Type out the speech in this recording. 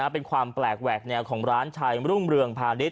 เป็นความแปลกแหวกแนวของร้านชายมรุ่งเรืองพาณิช